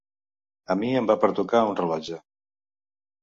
A mi em va pertocar un rellotge.